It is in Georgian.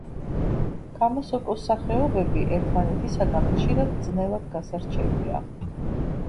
ქამასოკოს სახეობები ერთმანეთისაგან ხშირად ძნელად გასარჩევია.